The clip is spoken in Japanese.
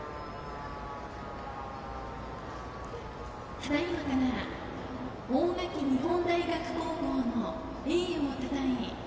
ただいまから大垣日本大学高校の栄誉をたたえ